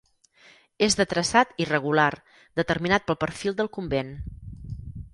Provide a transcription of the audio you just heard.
És de traçat irregular, determinat pel perfil del convent.